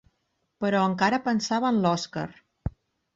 Però encara pensava en l'Òscar.